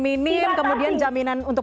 minim kemudian jaminan untuk